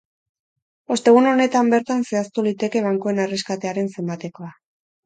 Ostegun honetan bertan zehaztu liteke bankuen erreskatearen zenbatekoa.